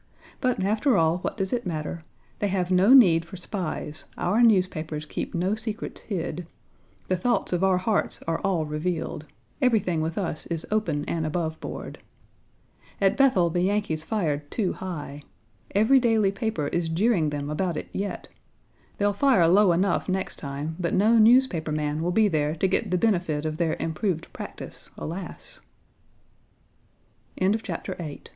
But, after all, what does it matter? They have no need for spies: our newspapers keep no secrets hid. The thoughts of our hearts are all revealed. Everything with us is open and aboveboard. Page 81 "At Bethel the Yankees fired too high. Every daily paper is jeering them about it yet. They'll fire low enough next time, but no newspaper man will be there to get the benefit of their improved practise, alas!" Page 82 IX. RICHMOND, VA.